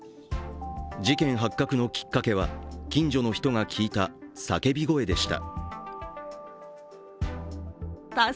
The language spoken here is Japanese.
事件発覚のきっかけは近所の人が聞いた叫び声でした。